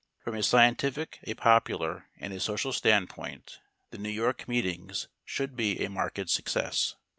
From a scientific, a popular, and a social standpoint the New York meetings should be a marked success.